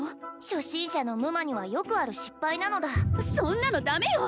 初心者の夢魔にはよくある失敗なのだそんなのダメよ！